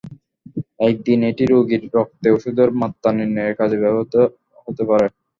একদিন এটি রোগীর রক্তে ওষুধের মাত্রা নির্ণয়ের কাজে ব্যবহৃত হতে পারে।